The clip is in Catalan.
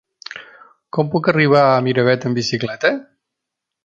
Com puc arribar a Miravet amb bicicleta?